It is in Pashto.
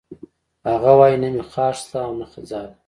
هغه وایی نه مې خاښ شته او نه ځاله